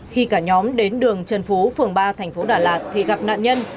khi cả nhóm đến đường trần phú phường ba thành phố đà lạt thì gặp nạn nhân